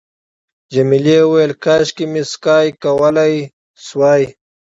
جميلې وويل:، کاشکې مې سکی کولای شوای.